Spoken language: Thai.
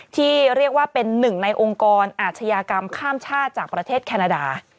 ที่เรียกว่าเป็นหนึ่งในองค์กรอาชญากรรมข้ามชาติจากประเทศแคนาดา